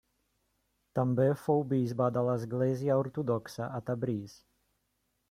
També fou bisbe de l'Església Ortodoxa a Tabriz.